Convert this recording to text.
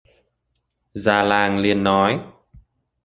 Già làng liền nói